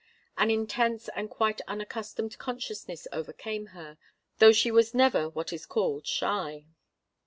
An intense and quite unaccustomed consciousness overcame her, though she was never what is called shy.